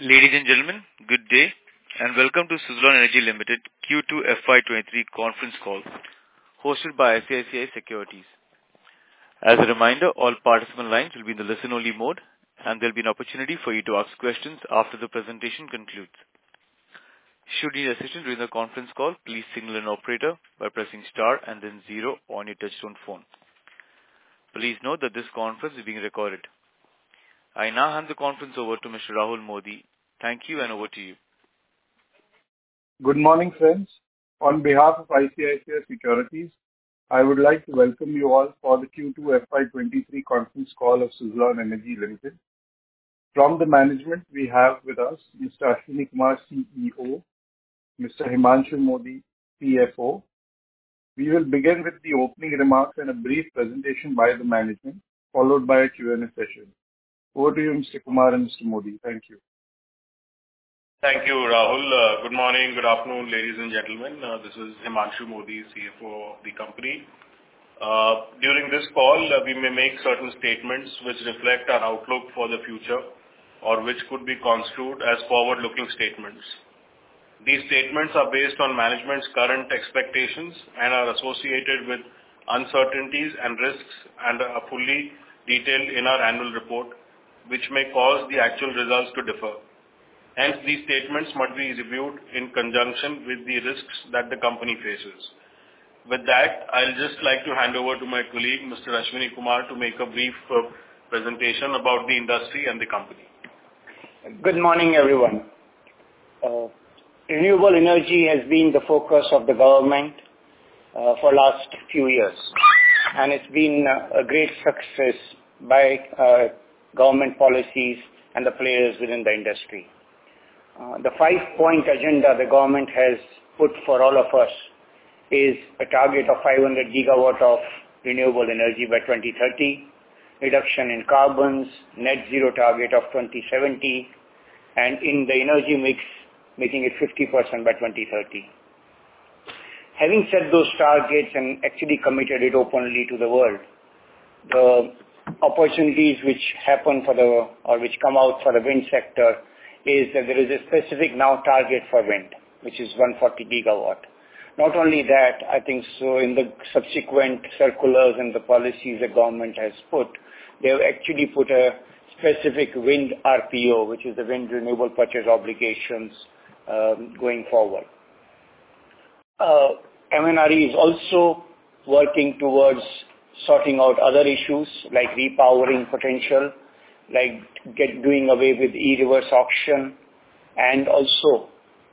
Ladies and gentlemen, good day and welcome to Suzlon Energy Limited Q2 FY 2023 conference call hosted by ICICI Securities. As a reminder, all participant lines will be in the listen-only mode, and there'll be an opportunity for you to ask questions after the presentation concludes. Should you need assistance during the conference call, please signal an operator by pressing star and then zero on your touch-tone phone. Please note that this conference is being recorded. I now hand the conference over to Mr. Rahul Mody. Thank you and over to you. Good morning, friends. On behalf of ICICI Securities, I would like to welcome you all for the Q2 FY2023 conference call of Suzlon Energy Limited. From the management we have with us Mr. Ashwani Kumar, CEO, Mr. Himanshu Mody, CFO. We will begin with the opening remarks and a brief presentation by the management, followed by a Q&A session. Over to you, Mr. Kumar and Mr. Mody. Thank you. Thank you, Rahul. Good morning, good afternoon, ladies and gentlemen. This is Himanshu Mody, CFO of the company. During this call, we may make certain statements which reflect our outlook for the future or which could be construed as forward-looking statements. These statements are based on management's current expectations and are associated with uncertainties and risks and are fully detailed in our annual report, which may cause the actual results to differ. Hence, these statements must be reviewed in conjunction with the risks that the company faces. With that, I'll just like to hand over to my colleague, Mr. Ashwani Kumar, to make a brief presentation about the industry and the company. Good morning, everyone. Renewable energy has been the focus of the government for last few years, and it's been a great success by government policies and the players within the industry. The five-point agenda the government has put for all of us is a target of 500 GW of renewable energy by 2030, reduction in carbons, net zero target of 2070, and in the energy mix, making it 50% by 2030. Having set those targets and actually committed it openly to the world, the opportunities which come out for the wind sector is that there is a specific now target for wind, which is 140 GW. Not only that, I think so in the subsequent circulars and the policies the government has put, they have actually put a specific wind RPO, which is the wind renewable purchase obligations, going forward. MNRE is also working towards sorting out other issues like repowering potential, like doing away with e-reverse auction.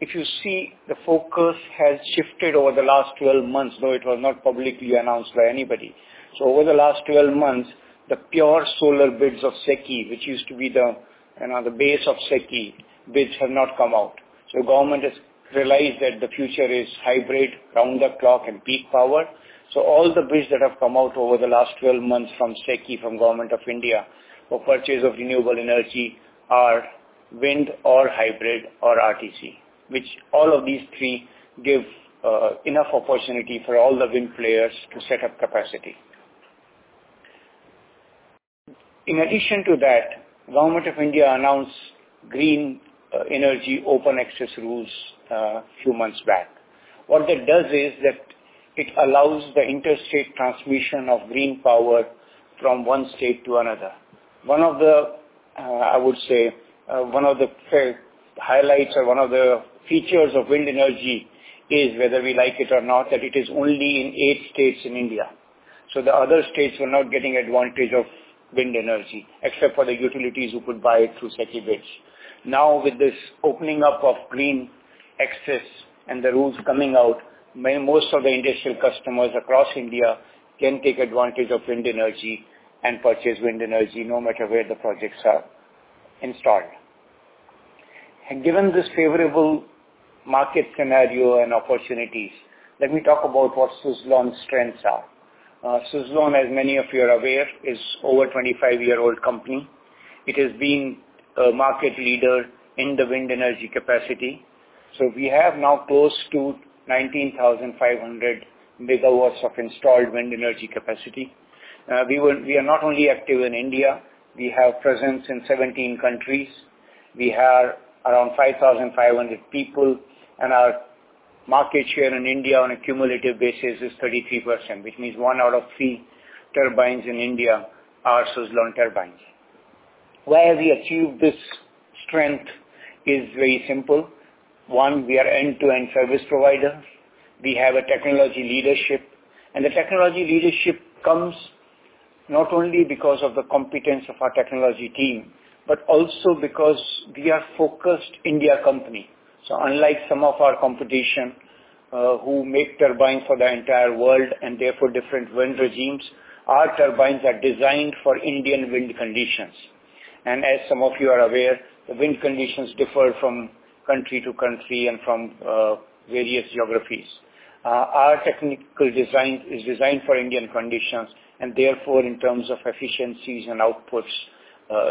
If you see, the focus has shifted over the last 12 months, though it was not publicly announced by anybody. Over the last 12 months, the pure solar bids of SECI, which used to be the, you know, the base of SECI bids have not come out. Government has realized that the future is hybrid, round the clock and peak power. All the bids that have come out over the last 12 months from SECI, from Government of India for purchase of renewable energy are wind or hybrid or RTC, which all of these three give enough opportunity for all the wind players to set up capacity. In addition to that, Government of India announced Green Energy Open Access Rules a few months back. What that does is that it allows the interstate transmission of green power from one state to another. One of the, I would say, one of the highlights or one of the features of wind energy is, whether we like it or not, that it is only in eight states in India. The other states were not getting advantage of wind energy, except for the utilities who could buy it through SECI bids. Now, with this opening up of green access and the rules coming out, most of the industrial customers across India can take advantage of wind energy and purchase wind energy no matter where the projects are installed. Given this favorable market scenario and opportunities, let me talk about what Suzlon's strengths are. Suzlon, as many of you are aware, is over 25-year-old company. It has been a market leader in the wind energy capacity. We have now close to 19,500 MW of installed wind energy capacity. We are not only active in India, we have presence in 17 countries. We have around 5,500 people, and our market share in India on a cumulative basis is 33%, which means 1/3 of turbines in India are Suzlon turbines. Why have we achieved this strength is very simple. One, we are end-to-end service provider. We have a technology leadership. The technology leadership comes not only because of the competence of our technology team, but also because we are focused Indian company. Unlike some of our competition, who make turbine for the entire world and therefore different wind regimes, our turbines are designed for Indian wind conditions. As some of you are aware, the wind conditions differ from country to country and from various geographies. Our technical design is designed for Indian conditions and therefore, in terms of efficiencies and outputs,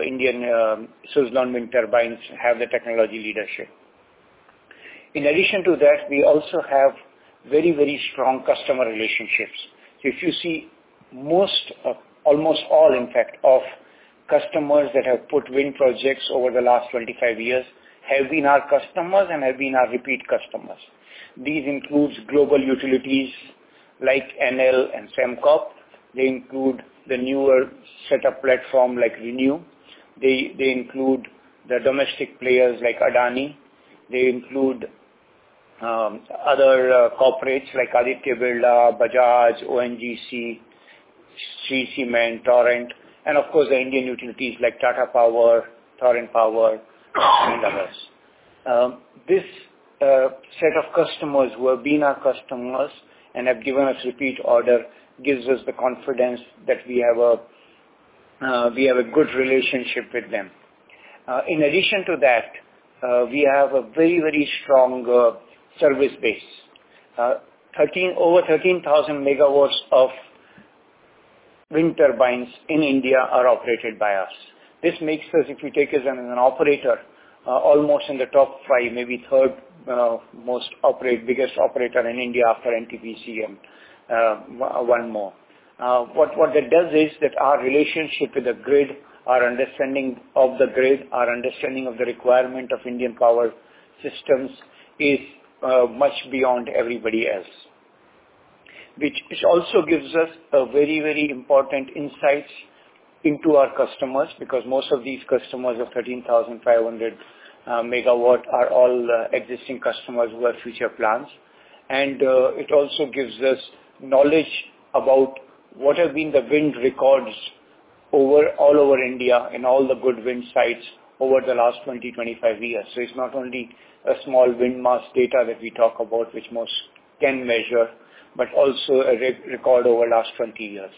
Indian Suzlon wind turbines have the technology leadership. In addition to that, we also have very, very strong customer relationships. If you see almost all, in fact, of customers that have put wind projects over the last 25 years have been our customers and have been our repeat customers. These includes global utilities like Enel and Sembcorp. They include the newer set up platform like ReNew. They include the domestic players like Adani. They include other corporates like Aditya Birla, Bajaj, ONGC, Shree Cement, Torrent, and of course, the Indian utilities like Tata Power, Torrent Power, and others. This set of customers who have been our customers and have given us repeat order gives us the confidence that we have a good relationship with them. In addition to that, we have a very, very strong service base. Over 13,000 MW of wind turbines in India are operated by us. This makes us, if you take us as an operator, almost in the top five, maybe third, biggest operator in India after NTPC and one more. What that does is that our relationship with the grid, our understanding of the grid, our understanding of the requirement of Indian power systems is much beyond everybody else, which also gives us a very important insights into our customers, because most of these customers of 13,500 MW are all existing customers who have future plans. It also gives us knowledge about what have been the wind records all over India in all the good wind sites over the last 20-25 years. It's not only a small wind mast data that we talk about which most can measure, but also a track record over last 20 years.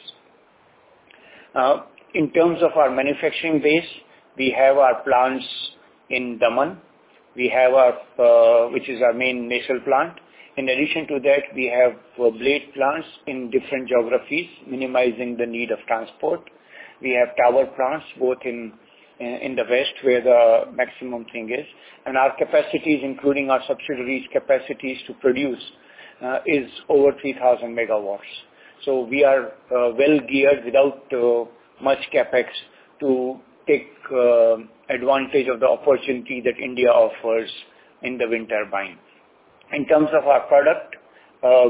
In terms of our manufacturing base, we have our plants in Daman. We have our, which is our main nacelle plant. In addition to that, we have blade plants in different geographies, minimizing the need of transport. We have tower plants both in the west, where the maximum wind is. Our capacities, including our subsidiaries capacities to produce, is over 3,000 MW. We are well geared without much CapEx to take advantage of the opportunity that India offers in the wind turbines. In terms of our product,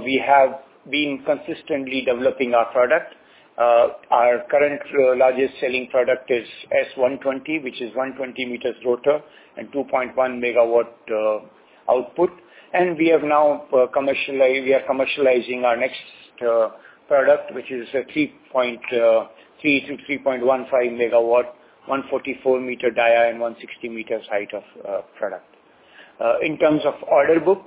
we have been consistently developing our product. Our current largest selling product is S120, which is 120-meter rotor and 2.1 MW output. We are commercializing our next product, which is a 3.3 to 3.15 MW, 144-meter diameter, and 160-meter height product. In terms of order book,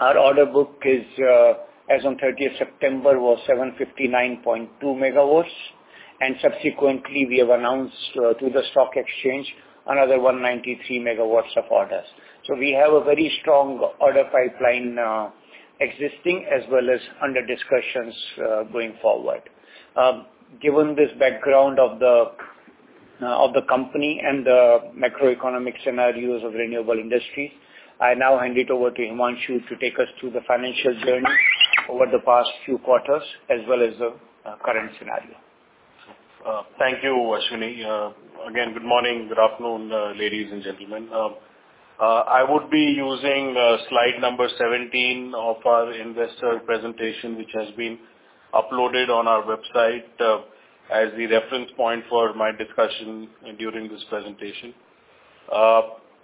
our order book as on 30th September was 759.2 MW, and subsequently we have announced through the stock exchange another 193 MW of orders. We have a very strong order pipeline existing as well as under discussions going forward. Given this background of the company and the macroeconomic scenarios of renewable industry, I now hand it over to Himanshu to take us through the financial journey over the past few quarters as well as the current scenario. Thank you, Ashwini. Again, good morning, good afternoon, ladies and gentlemen. I would be using slide number 17 of our investor presentation, which has been uploaded on our website, as the reference point for my discussion during this presentation.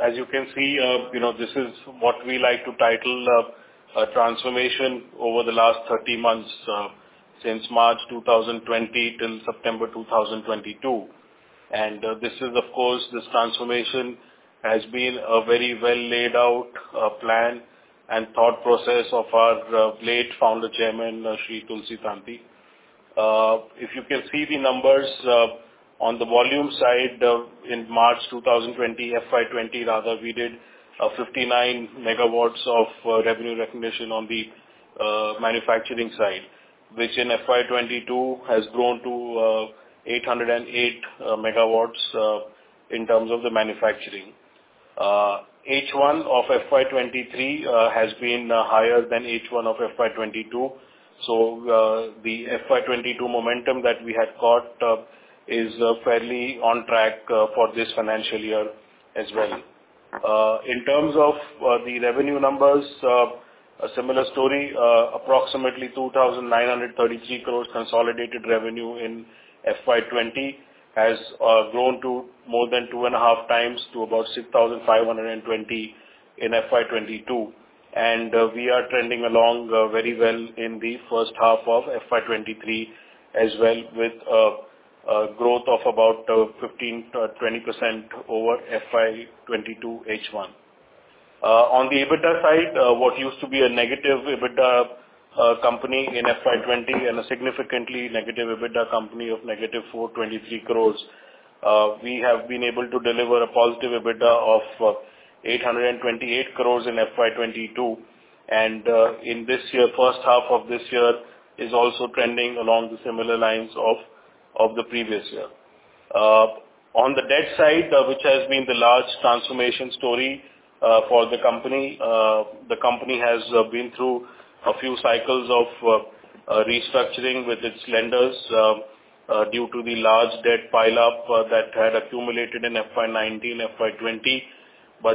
As you can see, you know, this is what we like to title a transformation over the last 30 months, since March 2020 till September 2022. This is of course, this transformation has been a very well laid out plan and thought process of our late Founder Chairman, Shri Tulsi Tanti. If you can see the numbers on the volume side, in March 2020, FY 2020 rather, we did a 59 MW of revenue recognition on the manufacturing side. Which in FY 2022 has grown to 808 MW in terms of the manufacturing. H1 of FY 2023 has been higher than H1 of FY 2022. The FY 2022 momentum that we had got is fairly on track for this financial year as well. In terms of the revenue numbers, a similar story, approximately 2,933 crore consolidated revenue in FY 2020 has grown to more than 2.5x to about 6,520 crore in FY 2022. We are trending along very well in the first half of FY 2023 as well, with a growth of about 15%-20% over FY 2022 H1. On the EBITDA side, what used to be a negative EBITDA company in FY 2020 and a significantly negative EBITDA company of -423 crores, we have been able to deliver a positive EBITDA of 828 crores in FY 2022. In this year, first half of this year is also trending along the similar lines of the previous year. On the debt side, which has been the large transformation story, for the company, the company has been through a few cycles of restructuring with its lenders, due to the large debt pile-up that had accumulated in FY 2019, FY 2020.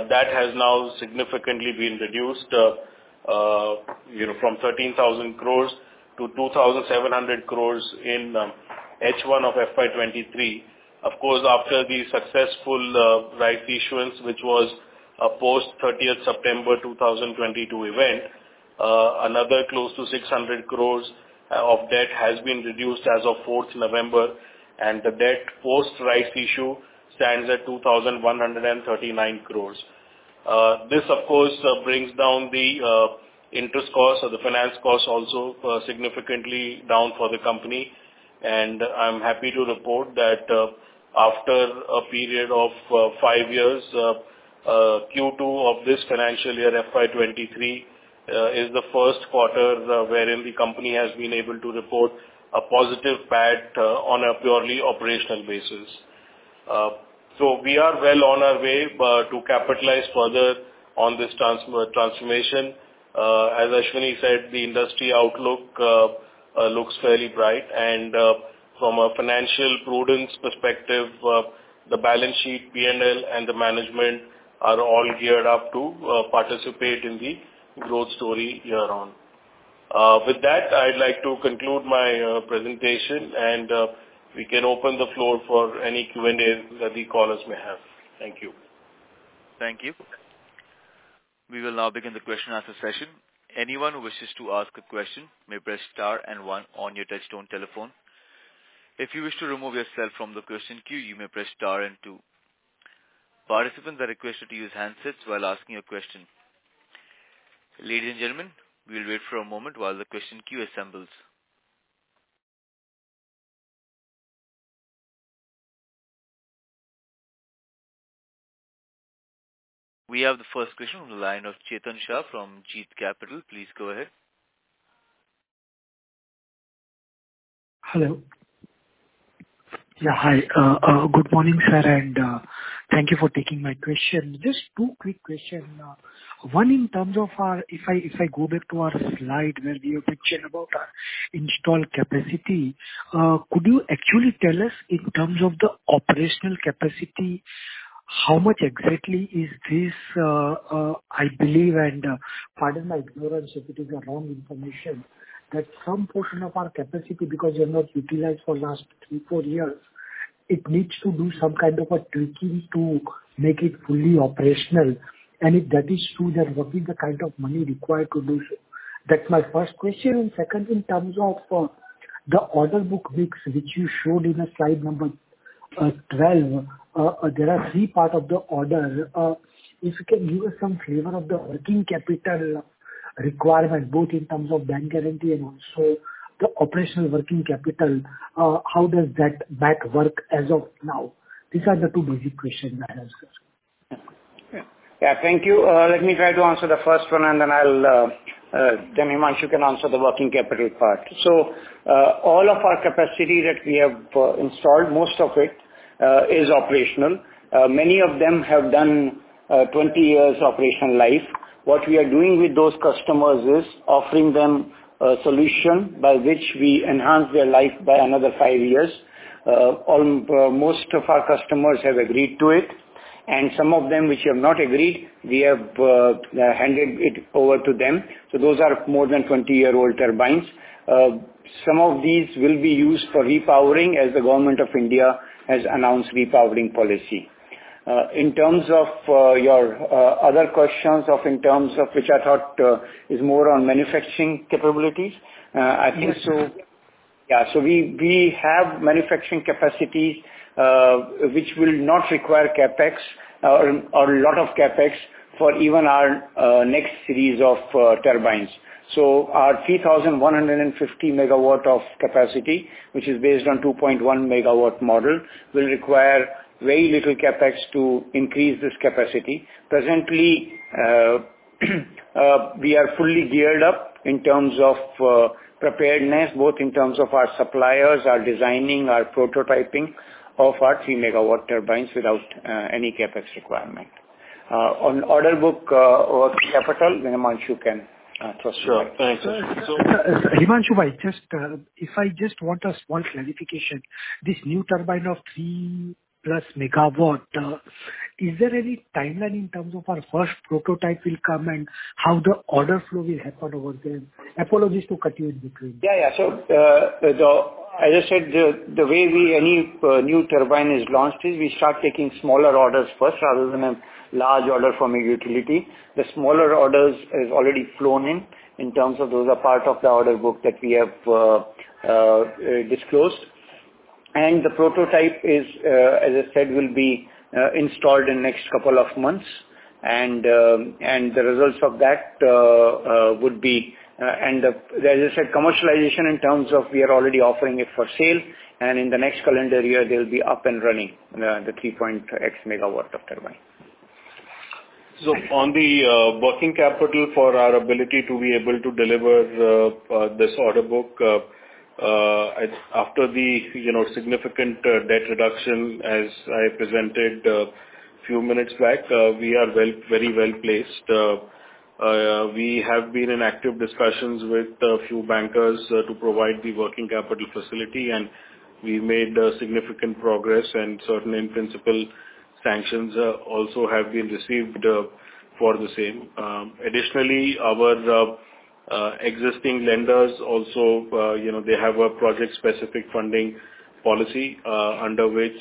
That has now significantly been reduced, you know, from 13,000 crore to 2,700 crore in H1 of FY 2023. Of course, after the successful rights issuance, which was a post-30th September 2022 event, another close to 600 crore of debt has been reduced as of 4th November, and the debt post-rights issue stands at 2,139 crore. This of course brings down the interest costs or the finance costs also significantly down for the company. I'm happy to report that, after a period of five years, Q2 of this financial year, FY 2023, is the first quarter wherein the company has been able to report a positive PAT on a purely operational basis. We are well on our way to capitalize further on this transformation. As Ashwani said, the industry outlook looks fairly bright. From a financial prudence perspective, the balance sheet, P&L and the management are all geared up to participate in the growth story year on. With that, I'd like to conclude my presentation, and we can open the floor for any Q&A that the callers may have. Thank you. Thank you. We will now begin the question answer session. Anyone who wishes to ask a question may press star and one on your touchtone telephone. If you wish to remove yourself from the question queue, you may press star and two. Participants are requested to use handsets while asking your question. Ladies and gentlemen, we'll wait for a moment while the question queue assembles. We have the first question on the line of Chetan Shah from Jeet Capital. Please go ahead. Hello. Yeah, hi. Good morning, sir, and thank you for taking my question. Just two quick questions. One, if I go back to our slide where you have mentioned about our installed capacity, could you actually tell us in terms of the operational capacity, how much exactly is this? I believe, pardon my ignorance if it is wrong information, that some portion of our capacity, because we have not utilized for last three, four years, it needs to do some kind of a tweaking to make it fully operational. If that is true, then what is the kind of money required to do so? That's my first question. Second, in terms of the order book mix, which you showed in the slide number 12, there are three part of the order. If you can give us some flavor of the working capital requirement, both in terms of bank guarantee and also the operational working capital, how does that work as of now? These are the two basic questions I had, sir. Yeah, thank you. Let me try to answer the first one, and then I'll, then Himanshu can answer the working capital part. All of our capacity that we have, installed, most of it, is operational. Many of them have done 20 years operational life. What we are doing with those customers is offering them a solution by which we enhance their life by another five years. Most of our customers have agreed to it, and some of them which have not agreed, we have handed it over to them. Those are more than 20-year-old turbines. Some of these will be used for repowering, as the Government of India has announced repowering policy. In terms of your other questions, which I thought is more on manufacturing capabilities, I think so. Yes. Yeah. We have manufacturing capacity, which will not require CapEx or lot of CapEx for even our next series of turbines. Our 3,150 MW of capacity, which is based on 2.1 MW model, will require very little CapEx to increase this capacity. Presently, we are fully geared up in terms of preparedness, both in terms of our suppliers, our designing, our prototyping of our 3 MW turbines without any CapEx requirement. On order book, working capital, Himanshu can toss you that. Sure. Thank you. Himanshu, I just want one clarification. This new turbine of 3+ MW, is there any timeline in terms of our first prototype will come and how the order flow will happen over there? Apologies to cut you in between. As I said, the way any new turbine is launched is we start taking smaller orders first rather than a large order from a utility. The smaller orders has already flown in terms of those are part of the order book that we have disclosed. The prototype, as I said, will be installed in next couple of months. The results of that would be, as I said, commercialization in terms of we are already offering it for sale, and in the next calendar year, they'll be up and running, the 3.x MW turbine. On the working capital for our ability to be able to deliver this order book, it's after the, you know, significant debt reduction as I presented a few minutes back, we are very well-placed. We have been in active discussions with a few bankers to provide the working capital facility, and we made significant progress and certain in-principle sanctions also have been received for the same. Additionally, our existing lenders also, you know, they have a project-specific funding policy, under which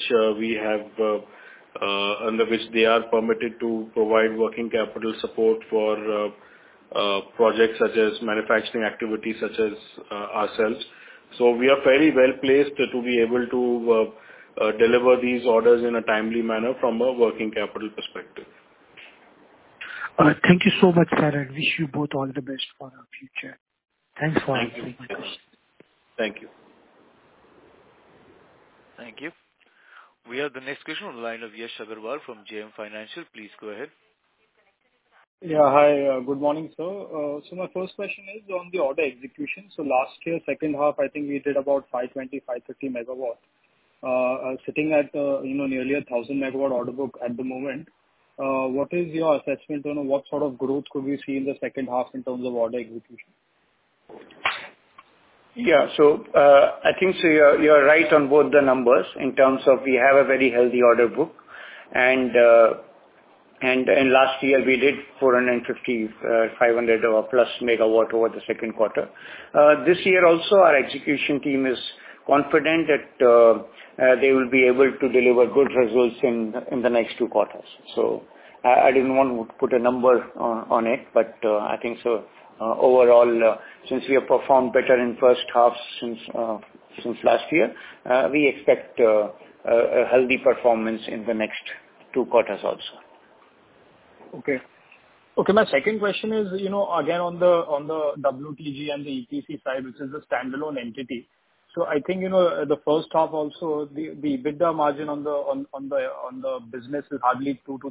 they are permitted to provide working capital support for projects such as manufacturing activities such as ourselves. We are very well-placed to be able to deliver these orders in a timely manner from a working capital perspective. All right. Thank you so much, sir, and wish you both all the best for our future. Thanks for taking my question. Thank you. Thank you. We have the next question on the line of Yash Agarwal from JM Financial. Please go ahead. Yeah, hi. Good morning, sir. My first question is on the order execution. Last year, second half, I think we did about 520-530 MW. Sitting at, you know, nearly 1,000 MW order book at the moment. What is your assessment on what sort of growth could we see in the second half in terms of order execution? Yeah. I think you are right on both the numbers in terms of we have a very healthy order book. Last year we did 450-500 or plus MW over the second quarter. This year also our execution team is confident that they will be able to deliver good results in the next two quarters. I didn't want to put a number on it, but I think overall, since we have performed better in first half since last year, we expect a healthy performance in the next two quarters also. Okay. Okay, my second question is, you know, again, on the WTG and the EPC side, which is a standalone entity. I think, you know, the first half also the EBITDA margin on the business is hardly 2%-3%.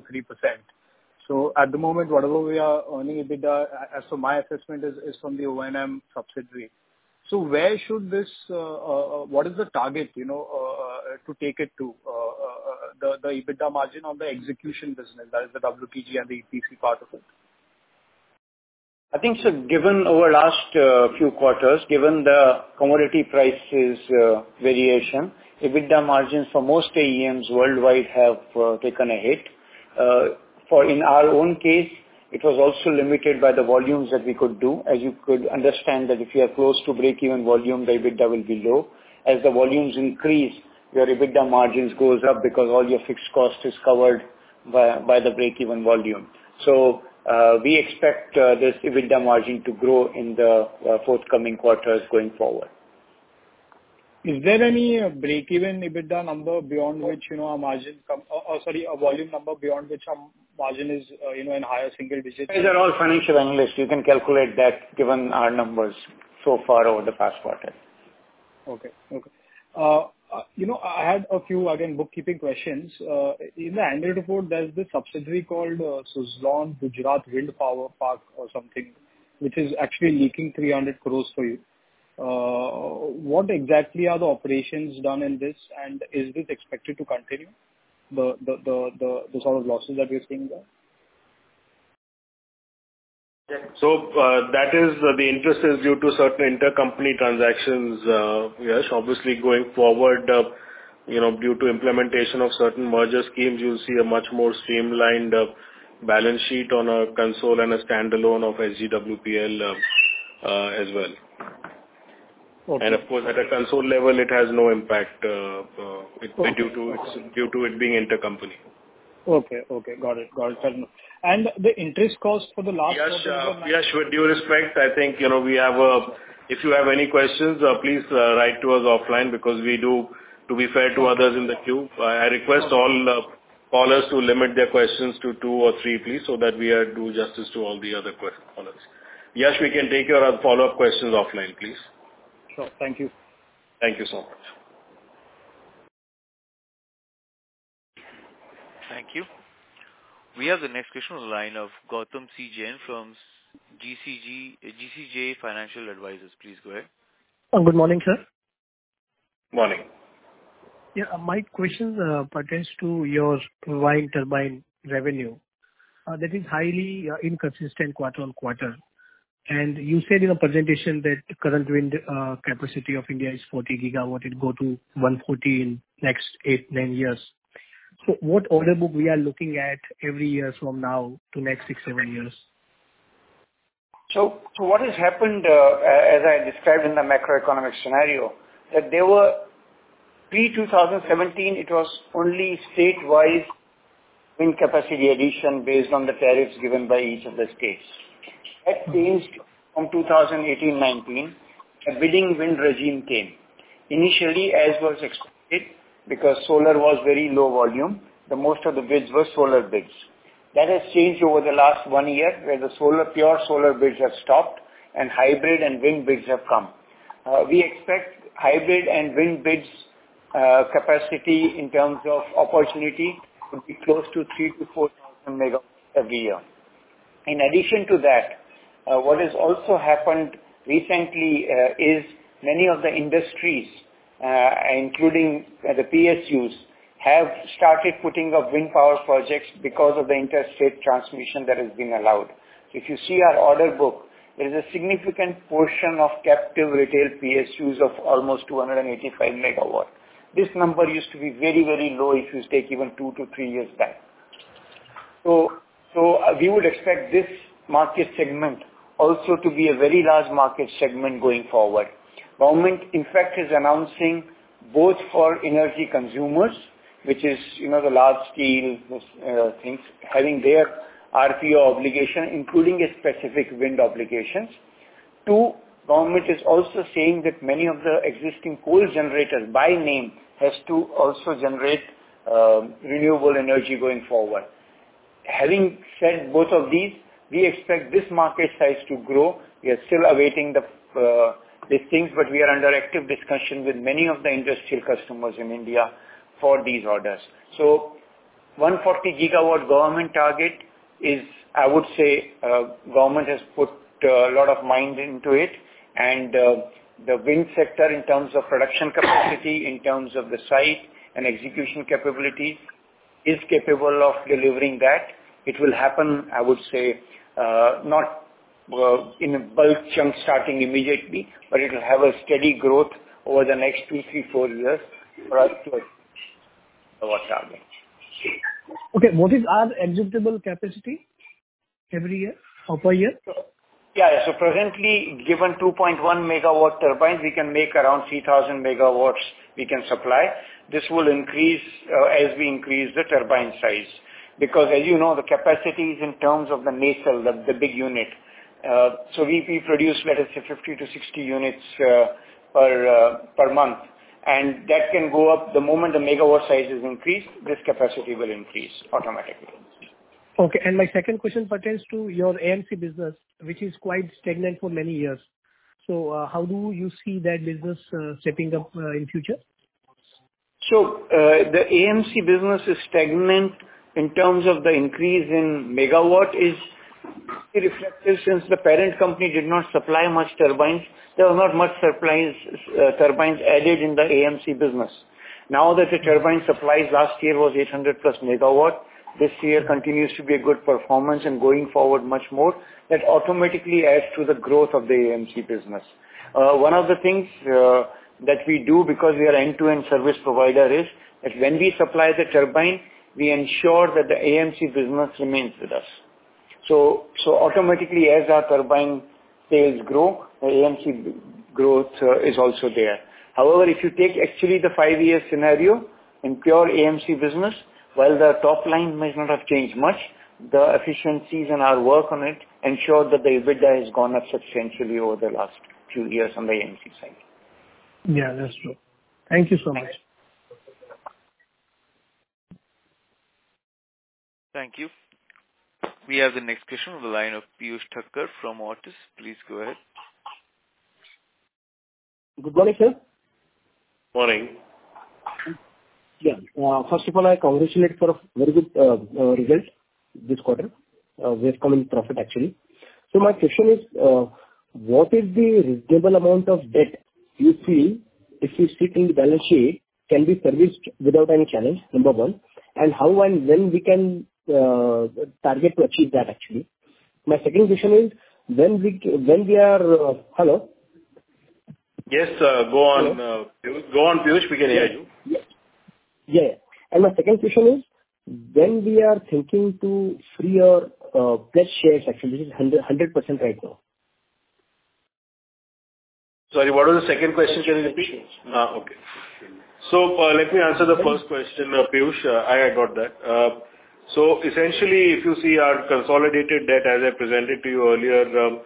At the moment, whatever we are earning EBITDA, as for my assessment is from the O&M subsidiary. What is the target, you know, to take it to the EBITDA margin on the execution business? That is the WTG and the EPC part of it. I think so given our last few quarters, given the commodity prices variation, EBITDA margins for most OEMs worldwide have taken a hit. For in our own case, it was also limited by the volumes that we could do. As you could understand that if you are close to break-even volume, the EBITDA will be low. As the volumes increase, your EBITDA margins goes up because all your fixed cost is covered by the break-even volume. We expect this EBITDA margin to grow in the forthcoming quarters going forward. Is there any break-even EBITDA number beyond which, you know, our margin, or, sorry, a volume number beyond which our margin is, you know, in higher single digits? Guys are all financial analysts. You can calculate that given our numbers so far over the past quarter. You know, I had a few, again, bookkeeping questions. In the annual report, there's this subsidiary called Suzlon Gujarat Wind Park Limited, which is actually leaking 300 crore for you. What exactly are the operations done in this and is this expected to continue, the sort of losses that we are seeing there? That the interest is due to certain intercompany transactions, Yash. Obviously going forward, you know, due to implementation of certain merger schemes, you'll see a much more streamlined balance sheet on a consolidated and a standalone of SGWPL, as well. Okay. Of course, at a consolidated level it has no impact due to it being intercompany. Okay. Got it. The interest cost for the last quarter. Yash, with due respect, I think, you know, if you have any questions, please write to us offline. To be fair to others in the queue, I request all callers to limit their questions to two or three, please, so that we do justice to all the other question callers. Yash, we can take your other follow-up questions offline, please. Sure. Thank you. Thank you so much. Thank you. We have the next question on the line of Gautam C. Jain from GCJ Financial Advisors. Please go ahead. Good morning, sir. Morning. Yeah, my question pertains to your wind turbine revenue that is highly inconsistent quarter-on-quarter. You said in your presentation that current wind capacity of India is 40 GW. It go to 140 in next eight, nine years. What order book we are looking at every years from now to next six, seven years? What has happened, as I described in the macroeconomic scenario, is that there were pre-2017, it was only state-wise wind capacity addition based on the tariffs given by each of the states. That changed from 2018, 2019. A bidding wind regime came. Initially, as was expected, because solar was very low volume, most of the bids were solar bids. That has changed over the last one year, where the solar, pure solar bids have stopped and hybrid and wind bids have come. We expect hybrid and wind bids capacity in terms of opportunity could be close to 3,000-4,000 MW every year. In addition to that, what has also happened recently is many of the industries, including the PSUs, have started putting up wind power projects because of the interstate transmission that has been allowed. If you see our order book, there is a significant portion of captive retail PSUs of almost 285 MW. This number used to be very, very low if you take even two, three years back. We would expect this market segment also to be a very large market segment going forward. Government, in fact, is announcing both for energy consumers, which is, you know, the large scale things, having their RPO obligation, including a specific wind obligations. Two, government is also saying that many of the existing coal generators by name has to also generate renewable energy going forward. Having said both of these, we expect this market size to grow. We are still awaiting the things, but we are under active discussion with many of the industrial customers in India for these orders. The 140 GW government target is, I would say, government has put a lot of money into it. The wind sector in terms of production capacity, in terms of the site and execution capability, is capable of delivering that. It will happen, I would say, not in a big chunk starting immediately, but it'll have a steady growth over the next two, three, four years for us to reach our target. Okay. What is our acceptable capacity every year or per year? Yeah, presently, given 2.1 MW turbine, we can make around 3,000 MW we can supply. This will increase as we increase the turbine size. Because as you know, the capacities in terms of the nacelle, the big unit, so we produce, let us say 50-60 units per month. That can go up the moment the megawatt size is increased, this capacity will increase automatically. Okay. My second question pertains to your AMC business, which is quite stagnant for many years. How do you see that business shaping up in future? The AMC business is stagnant in terms of the increase in megawatts, which is reflective since the parent company did not supply many turbines. There was not much surprise, turbines added in the AMC business. Now that the turbine supplies last year were 800+ MW, this year continues to be a good performance and going forward much more, that automatically adds to the growth of the AMC business. One of the things that we do because we are end-to-end service provider is that when we supply the turbine, we ensure that the AMC business remains with us. Automatically as our turbine sales grow, our AMC growth is also there. However, if you take actually the five-year scenario in pure AMC business, while the top line might not have changed much, the efficiencies and our work on it ensure that the EBITDA has gone up substantially over the last few years on the AMC side. Yeah, that's true. Thank you so much. Thank you. We have the next question on the line of Piyush Thakkar from Autus. Please go ahead. Good morning, sir. Morning. Yeah. First of all, I congratulate for a very good result this quarter with common profit actually. My question is, what is the reasonable amount of debt you feel if you sit in the balance sheet, can be serviced without any challenge, number one. How and when we can target to achieve that, actually. My second question is, when we are. Hello? Yes, go on, Piyush. Go on, Piyush. We can hear you. My second question is, when we are thinking to free our pledge shares, actually, this is 100% right now. Sorry, what was the second question, can you repeat? Okay. Let me answer the first question, Piyush. I had got that. Essentially, if you see our consolidated debt as I presented to you earlier,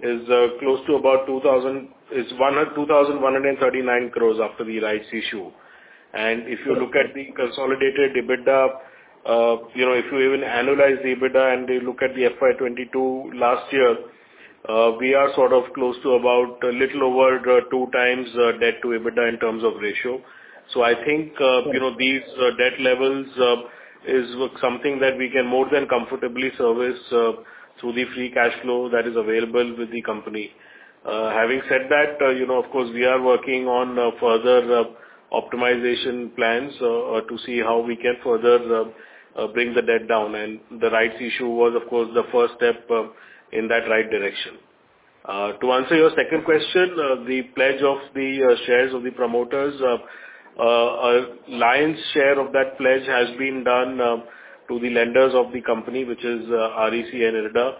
is close to about 2,139 crores after the rights issue. If you look at the consolidated EBITDA, you know, if you even analyze the EBITDA and you look at the FY 2022 last year, we are sort of close to about a little over 2x debt to EBITDA in terms of ratio. I think, you know, these debt levels is something that we can more than comfortably service through the free cash flow that is available with the company. Having said that, you know, of course, we are working on further optimization plans to see how we can further bring the debt down. The rights issue was, of course, the first step in that right direction. To answer your second question, the pledge of the shares of the promoters, a lion's share of that pledge has been done to the lenders of the company, which is REC and IREDA,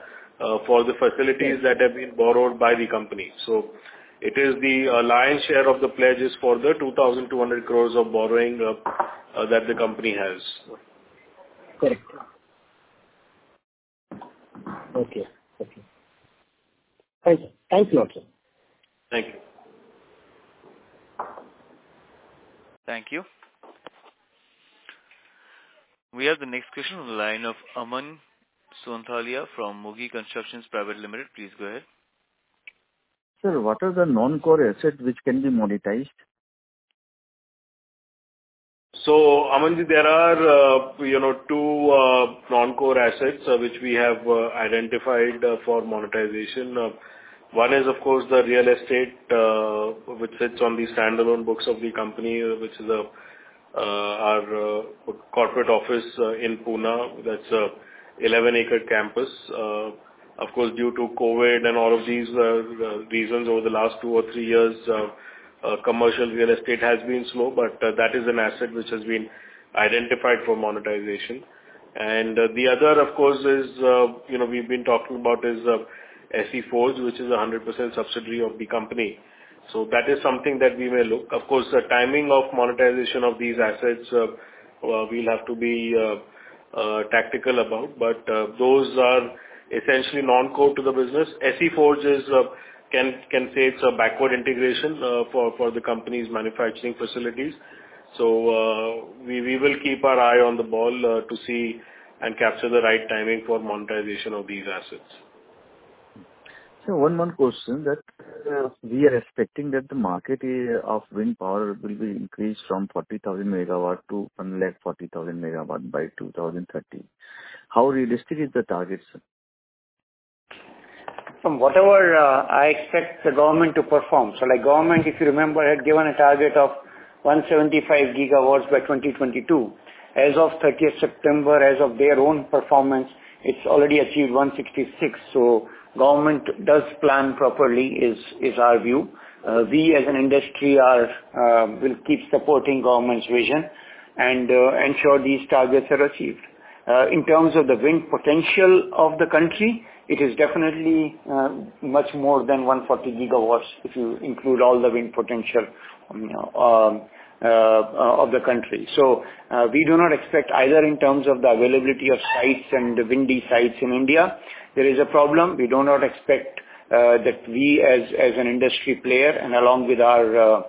for the facilities that have been borrowed by the company. It is the lion's share of the pledges for the 2,200 crores of borrowing that the company has. Correct. Okay. Thank you all, sir. Thank you. Thank you. We have the next question on the line of Aman Sonthalia from Mugi Constructions Private Limited. Please go ahead. Sir, what are the non-core assets which can be monetized? Aman, there are, you know, two non-core assets which we have identified for monetization. One is of course the real estate, which sits on the standalone books of the company, which is our corporate office in Pune. That's a 11-acre campus. Of course, due to COVID and all of these reasons over the last two or three years, commercial real estate has been slow, but that is an asset which has been identified for monetization. The other, of course, is, you know, we've been talking about is SE Forge, which is a 100% subsidiary of the company. That is something that we may look. Of course, the timing of monetization of these assets, we'll have to be tactical about, but those are essentially non-core to the business. SE Forge can say it's a backward integration for the company's manufacturing facilities. We will keep our eye on the ball to see and capture the right timing for monetization of these assets. One more question that we are expecting that the market of wind power will be increased from 40,000 MW to 140,000 MW by 2030. How realistic is the target, sir? I expect the government to perform. The government, if you remember, had given a target of 175 GW by 2022. As of 30th September, as of their own performance, it's already achieved 166. Government does plan properly, is our view. We as an industry will keep supporting government's vision and ensure these targets are achieved. In terms of the wind potential of the country, it is definitely much more than 140 GW, if you include all the wind potential of the country. We do not expect either in terms of the availability of sites and the windy sites in India. There is a problem. We do not expect that we as an industry player and along with our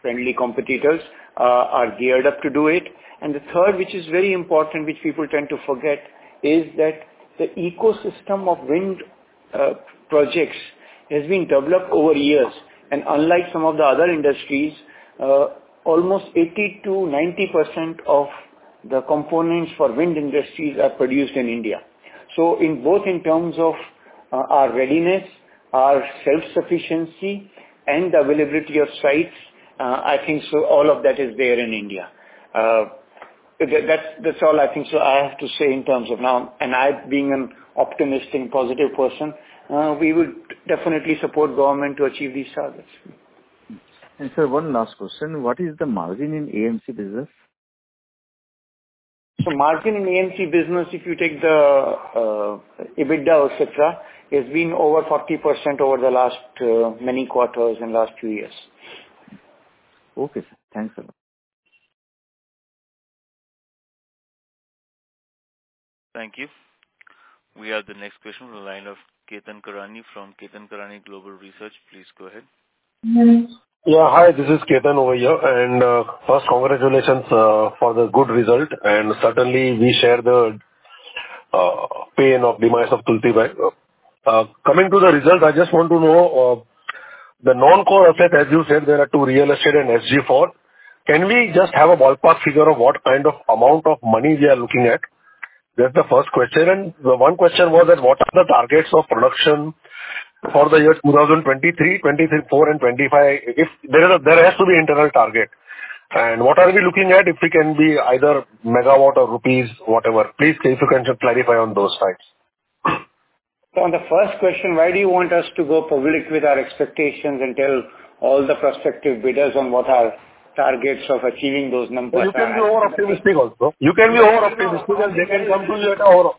friendly competitors are geared up to do it. The third, which is very important, which people tend to forget, is that the ecosystem of wind projects has been developed over years. Unlike some of the other industries, almost 80%-90% of the components for wind industries are produced in India. In both in terms of our readiness, our self-sufficiency and availability of sites, I think so all of that is there in India. That's all I think so I have to say in terms of now. I being an optimistic, positive person, we would definitely support government to achieve these targets. Sir, one last question. What is the margin in AMC business? Margin in AMC business, if you take the EBITDA, et cetera, has been over 40% over the last many quarters and last two years. Okay, sir. Thanks a lot. Thank you. We have the next question on the line of Ketan Karani from Ketan Karani Global Research. Please go ahead. Yeah. Hi, this is Ketan over here. First congratulations for the good result. Certainly we share the pain of demise of Tulsi bhai. Coming to the result, I just want to know the non-core asset, as you said, there are two real estate and SE Forge. Can we just have a ballpark figure of what kind of amount of money we are looking at? That's the first question. The one question was that what are the targets of production for the year 2023, 2024 and 2025? There has to be internal target. What are we looking at if we can be either megawatt or rupees, whatever. Please, if you can just clarify on those sides. On the first question, why do you want us to go public with our expectations and tell all the prospective bidders on what our targets of achieving those numbers are? You can be overoptimistic also. You can be overoptimistic and they can come to you at a lower.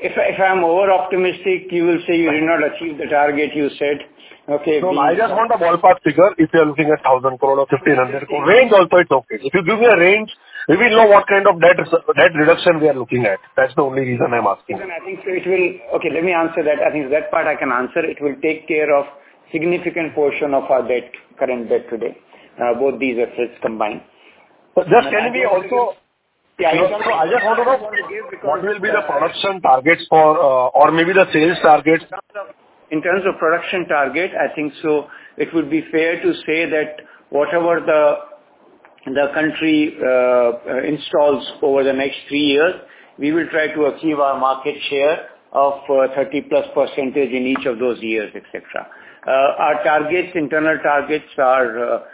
If I'm overoptimistic, you will say you did not achieve the target you said. Okay. No, I just want a ballpark figure. If you are looking at 1,000 crore or 1,500 crore. Range also it's okay. If you give me a range, we will know what kind of debt reduction we are looking at. That's the only reason I'm asking. Ketan, I think so it will. Okay, let me answer that. I think that part I can answer. It will take care of significant portion of our debt, current debt today, both these assets combined. Just tell me also. Yeah. I just want to know what will be the production targets for, or maybe the sales targets. In terms of production target, I think so it would be fair to say that whatever the country installs over the next three years, we will try to achieve our market share of 30%+ in each of those years, et cetera. Our targets, internal targets are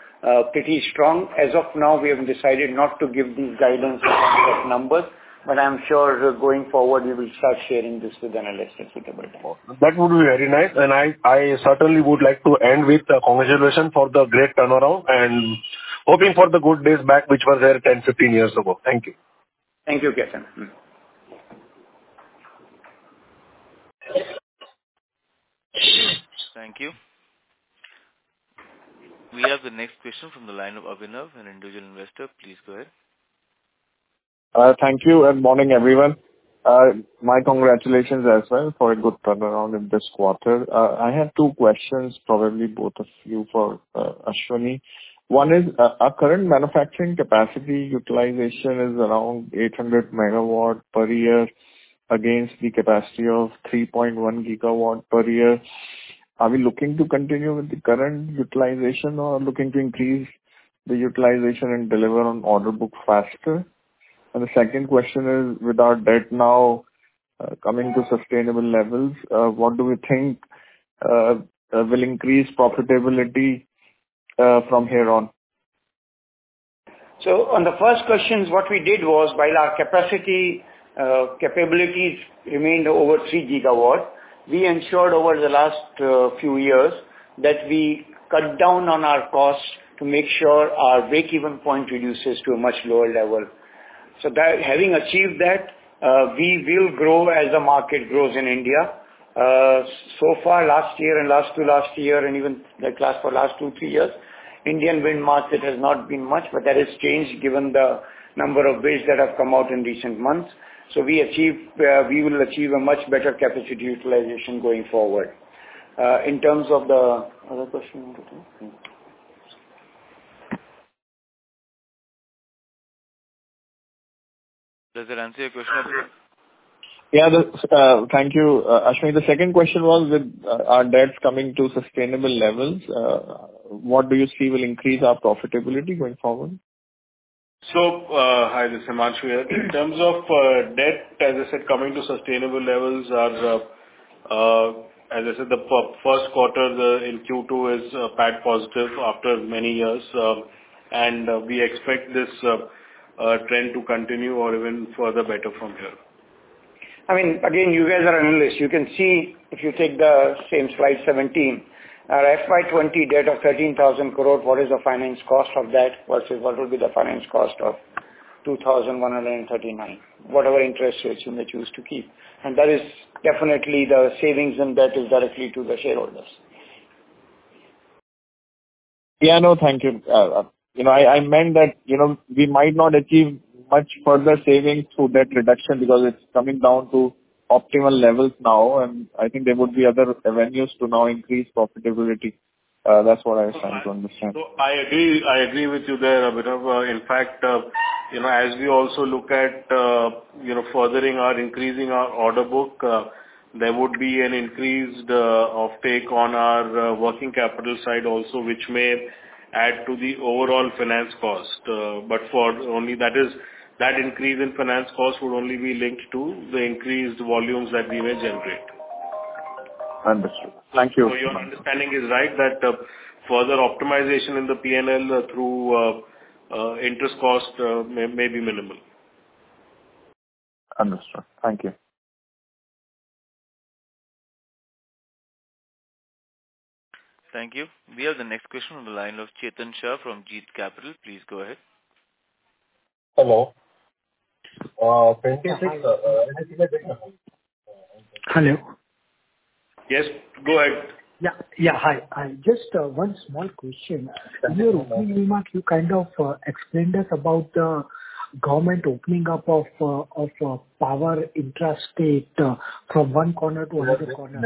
pretty strong. As of now, we have decided not to give these guidance in terms of numbers, but I'm sure going forward, we will start sharing this with analysts at suitable time. That would be very nice. I certainly would like to end with a congratulation for the great turnaround and hoping for the good days back which were there 10, 15 years ago. Thank you. Thank you, Ketan. Thank you. We have the next question from the line of Abhinav, an individual investor. Please go ahead. Thank you, and good morning, everyone. My congratulations as well for a good turnaround in this quarter. I have two questions, probably both of you for, Ashwani. One is, our current manufacturing capacity utilization is around 800 MW per year against the capacity of 3.1 GW per year. Are we looking to continue with the current utilization or looking to increase the utilization and deliver on order book faster? The second question is, with our debt now coming to sustainable levels, what do we think will increase profitability from here on? On the first question, what we did was, while our capacity capabilities remained over 3 GW, we ensured over the last few years that we cut down on our costs to make sure our break-even point reduces to a much lower level. Having achieved that, we will grow as the market grows in India. So far last year and last to last year and even like last for last two, three years, Indian wind market has not been much, but that has changed given the number of bids that have come out in recent months. We will achieve a much better capacity utilization going forward. In terms of the other question. Does that answer your question? Yeah. That's. Thank you, Ashwani. The second question was with our debts coming to sustainable levels, what do you see will increase our profitability going forward? Hi, this is Himanshu here. In terms of debt, as I said, coming to sustainable levels. Our, as I said, first quarter in Q2 is back positive after many years, and we expect this trend to continue or even further better from here. I mean, again, you guys are analysts. You can see if you take the same slide 17, our FY 2020 debt of 13,000 crore, what is the finance cost of that versus what will be the finance cost of 2,139, whatever interest rates you may choose to keep. That is definitely the savings and debt is directly to the shareholders. Yeah, no, thank you. You know, I meant that, you know, we might not achieve much further savings through debt reduction because it's coming down to optimal levels now, and I think there would be other avenues to now increase profitability. That's what I was trying to understand. I agree with you there, Abhinav. In fact, you know, as we also look at you know, furthering or increasing our order book, there would be an increased offtake on our working capital side also, which may add to the overall finance cost. That increase in finance cost would only be linked to the increased volumes that we may generate. Understood. Thank you. Your understanding is right, that further optimization in the P&L through interest cost may be minimal. Understood. Thank you. Thank you. We have the next question on the line of Chetan Shah from Jeet Capital. Please go ahead. Hello. Yes, go ahead. Yeah. Hi. Just one small question. In your opening remarks you kind of explained us about the government opening up of power intra-state from one corner to another corner.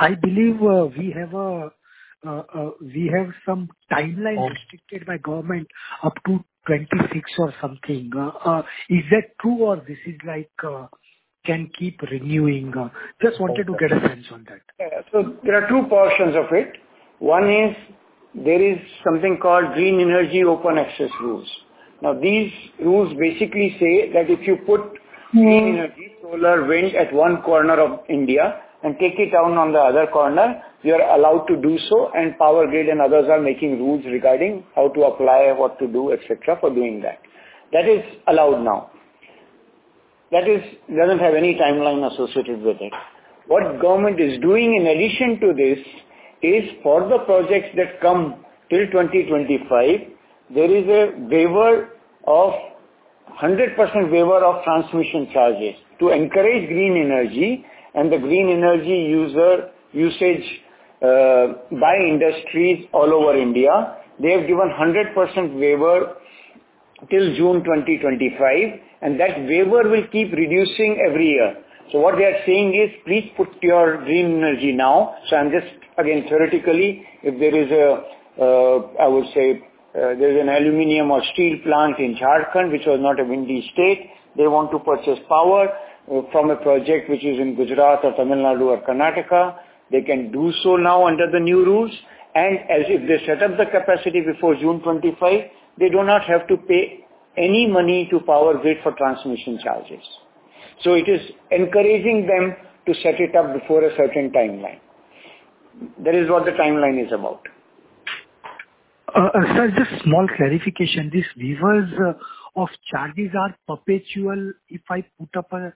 I believe we have some timeline restricted by government up to 2026 or something. Is that true or this is like, can keep renewing? Just wanted to get a sense on that. There are two portions of it. One is there is something called Green Energy Open Access Rules. Now, these rules basically say that if you put green energy, solar, wind at one corner of India and take it down on the other corner, you are allowed to do so, and Power Grid and others are making rules regarding how to apply, what to do, et cetera, for doing that. That is allowed now. That doesn't have any timeline associated with it. What government is doing in addition to this is for the projects that come till 2025, there is a waiver of 100% waiver of transmission charges to encourage green energy and the green energy user usage by industries all over India. They have given 100% waiver till June 2025, and that waiver will keep reducing every year. What they are saying is please put your green energy now. Again, theoretically, if there is an aluminum or steel plant in Jharkhand, which was not a windy state. They want to purchase power from a project which is in Gujarat or Tamil Nadu or Karnataka. They can do so now under the new rules. If they set up the capacity before June 25, they do not have to pay any money to Power Grid for transmission charges. It is encouraging them to set it up before a certain timeline. That is what the timeline is about. Sir, just small clarification. These waivers of charges are perpetual if I put up a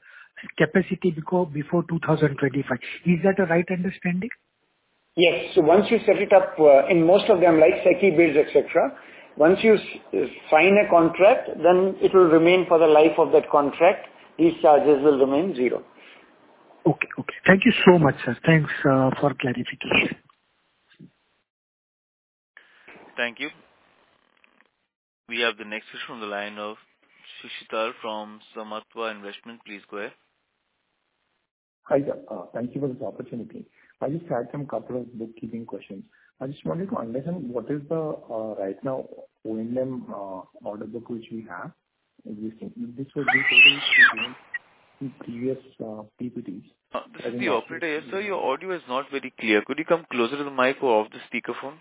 capacity before 2025. Is that a right understanding? Yes. Once you set it up, in most of them, like SECI bids, et cetera, once you sign a contract, then it will remain for the life of that contract. These charges will remain zero. Okay. Okay. Thank you so much, sir. Thanks for clarification. Thank you. We have the next question on the line of Sushithal from Samatva Investments. Please go ahead. Hi, thank you for this opportunity. I just had some couple of bookkeeping questions. I just wanted to understand what is the right now O&M order book which we have existing. This was in previous PPTs. This is the operator here. Sir, your audio is not very clear. Could you come closer to the mic or off the speaker phone?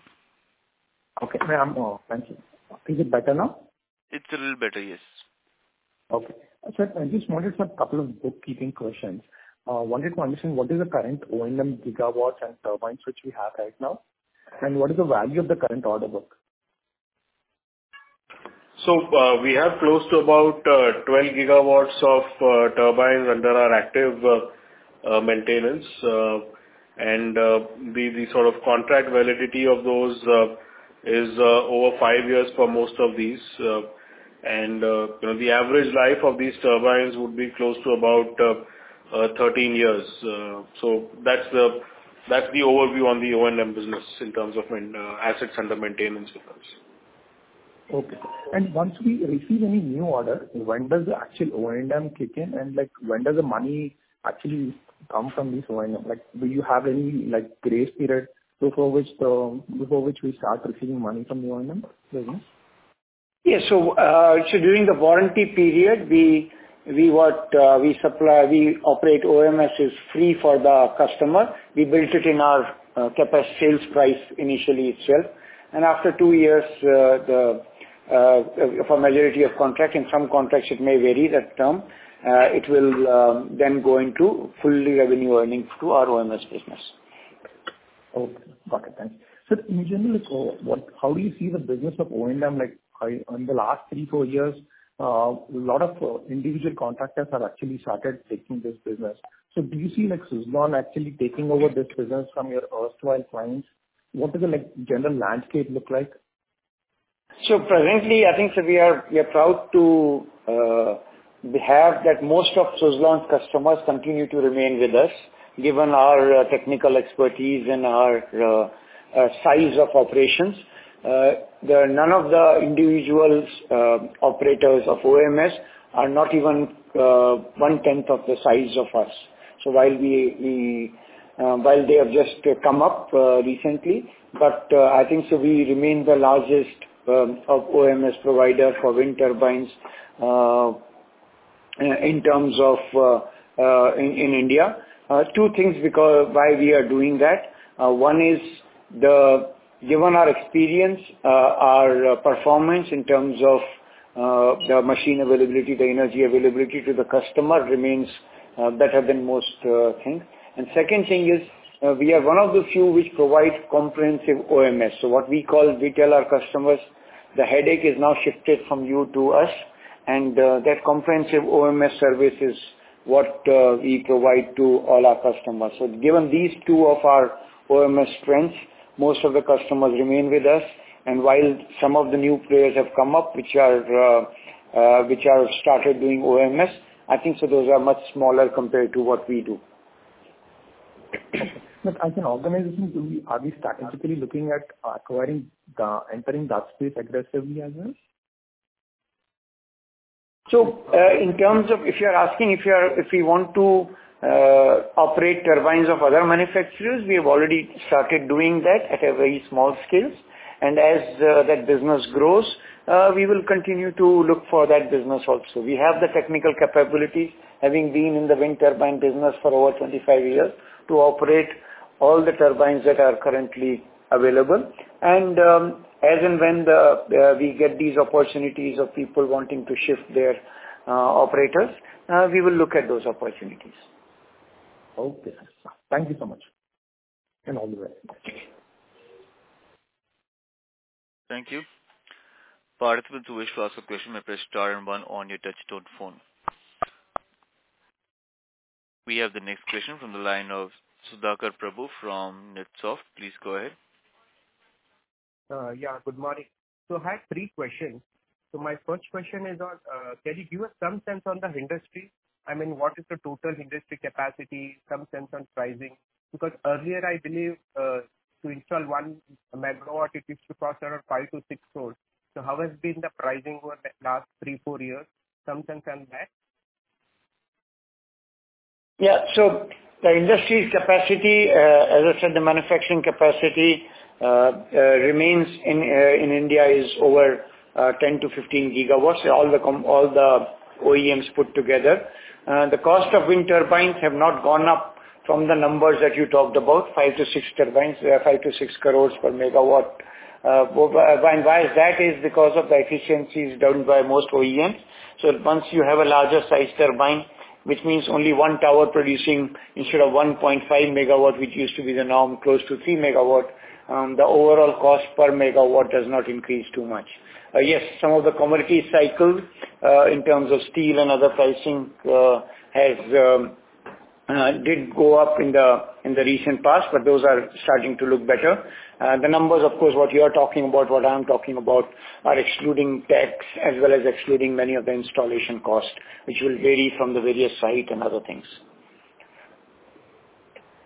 Okay. Yeah, thank you. Is it better now? It's a little better, yes. Okay. I just wanted some couple of bookkeeping questions. Wanted to understand what is the current O&M gigawatts and turbines which we have right now, and what is the value of the current order book? We have close to about 12 GW of turbines under our active maintenance. The sort of contract validity of those is over five years for most of these. You know, the average life of these turbines would be close to about 13 years. That's the overview on the O&M business in terms of wind assets under maintenance terms. Okay. Once we receive any new order, when does the actual O&M kick in? Like, when does the money actually come from this O&M? Like, do you have any, like, grace period before which we start receiving money from the O&M business? Yeah. During the warranty period, we supply, we operate O&M is free for the customer. We built it in our CapEx sales price initially itself. After two years, for the majority of contract, in some contracts it may vary that term, it will then go into full revenue earnings to our O&M business. Okay. Got it. Thanks. In general, how do you see the business of O&M in the last three, four years? A lot of individual contractors have actually started taking this business. Do you see, like, Suzlon actually taking over this business from your erstwhile clients? What does the, like, general landscape look like? Presently, I think so we are proud to have that most of Suzlon's customers continue to remain with us, given our technical expertise and our size of operations. None of the individual operators of O&M are not even 1/10 of the size of us. While they have just come up recently, but I think so we remain the largest O&M provider for wind turbines in terms of in India. Two things because why we are doing that. One is given our experience, our performance in terms of the machine availability, the energy availability to the customer remains better than most things. Second thing is, we are one of the few which provide comprehensive O&M. What we call, we tell our customers the headache is now shifted from you to us, and that comprehensive O&M service is what we provide to all our customers. Given these two of our O&M strengths, most of the customers remain with us. While some of the new players have come up, which have started doing O&M, I think so those are much smaller compared to what we do. As an organization, are we strategically looking at entering that space aggressively as well? In terms of if you're asking if we want to operate turbines of other manufacturers, we have already started doing that at a very small scale. As that business grows, we will continue to look for that business also. We have the technical capability, having been in the wind turbine business for over 25 years, to operate all the turbines that are currently available. As and when we get these opportunities of people wanting to shift their operators, we will look at those opportunities. Okay. Thank you so much. All the best. Thank you. If you wish to ask a question, press star and one on your touch tone phone. We have the next question from the line of Sudhakar Prabhu from NeteSoft. Please go ahead. Good morning. I have three questions. My first question is, can you give us some sense on the industry? I mean, what is the total industry capacity, some sense on pricing? Because earlier I believe, to install one megawatt it used to cost around 5 crore-6 crore. How has been the pricing over the last three, four years? Some sense on that. Yeah. The industry's capacity, as I said, the manufacturing capacity, remains in India is over 10-15 GW, all the OEMs put together. The cost of wind turbines have not gone up from the numbers that you talked about, five, six turbines. They are 5-6 crore per megawatt. And why is that, is because the efficiency is down by most OEMs. Once you have a larger size turbine, which means only one tower producing instead of 1.5 MW, which used to be the norm, close to 3 MW, the overall cost per megawatt has not increased too much. Yes, some of the commodity cycle in terms of steel and other pricing did go up in the recent past, but those are starting to look better. The numbers of course, what you are talking about, what I'm talking about, are excluding tax as well as excluding many of the installation costs, which will vary from the various site and other things.